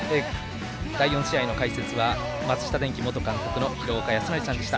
第４試合の解説は松下電器元監督の廣岡資生さんでした。